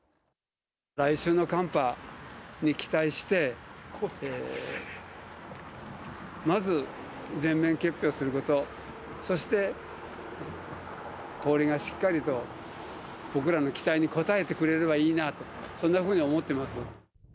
来週の寒波に期待して、まず全面結氷すること、そして、氷がしっかりと、僕らの期待に応えてくれればいいなと、そんなふうに思ってます。